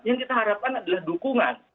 yang kita harapkan adalah dukungan